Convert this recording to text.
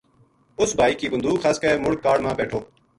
اِس بھائی کی بندوق خس کے مُڑ کاڑ ما بیٹھو